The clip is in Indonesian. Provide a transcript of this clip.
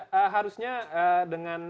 ya harusnya dengan